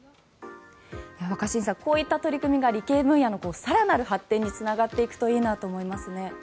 若新さん、こういった取り組みが理系分野の更なる発展につながっていくといいなと思いますね。